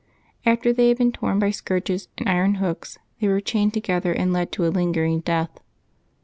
After they had been torn by scourges and iron hooks they were chained together and led to a lingering death.